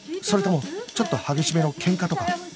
それともちょっと激しめの喧嘩とか？